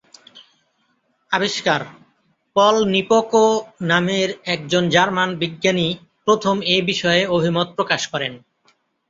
আবিষ্কার: Paul Nipkow নামের একজন জার্মান বিজ্ঞানী প্রথম এ বিষয়ে অভিমত প্রকাশ করেন।